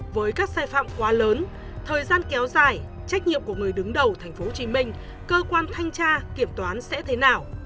với các sai phạm quá lớn thời gian kéo dài trách nhiệm của người đứng đầu tp hcm cơ quan thanh tra kiểm toán sẽ thế nào